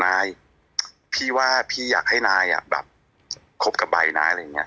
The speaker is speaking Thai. นายพี่ว่าพี่อยากให้นายอ่ะแบบคบกับใบนะอะไรอย่างเงี้